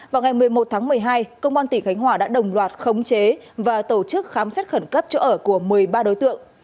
vào ngày một mươi một tháng một mươi hai công an tỉnh khánh hòa đã đồng loạt khống chế và tổ chức khám xét khẩn cấp chỗ ở của một mươi ba đối tượng